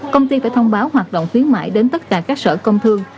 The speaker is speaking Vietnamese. công ty phải thông báo hoạt động khuyến mại đến tất cả các sở công thương